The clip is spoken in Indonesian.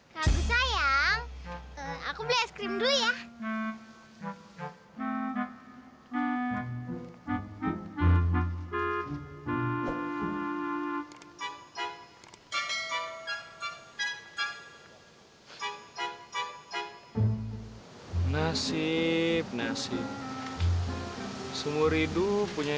kagu sayang aku beli es krim dulu ya